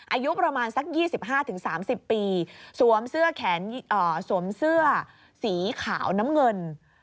อายุประมาณสัก๒๕๓๐ปีสวมเสื้อสีขาวน้ำเงิน